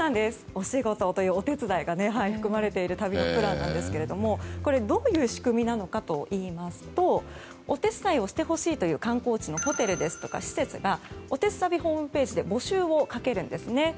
お仕事、お手伝いが含まれている旅のプランなんですけどどういう仕組みなのかといいますとお手伝いをしてほしいという観光地のホテルですとか施設がおてつたびホームページで募集をかけるんですね。